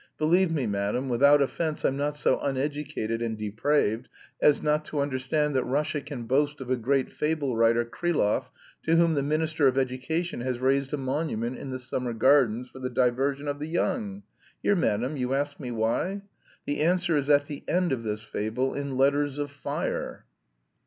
Believe me, madam, without offence I'm not so uneducated and depraved as not to understand that Russia can boast of a great fable writer, Krylov, to whom the Minister of Education has raised a monument in the Summer Gardens for the diversion of the young. Here, madam, you ask me why? The answer is at the end of this fable, in letters of fire."